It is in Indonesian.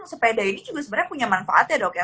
sepeda ini juga sebenarnya punya manfaat ya dok ya